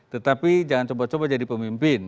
tetapi jangan coba coba jadi pemimpin